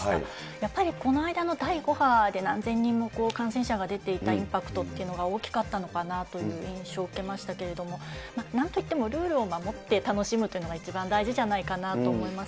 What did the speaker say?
やっぱりこの間の第５波で何千人も感染者が出ていたインパクトっていうのが大きかったのかなという印象を受けましたけれども、なんといってもルールを守って楽しむというのが一番大事じゃないかなと思います。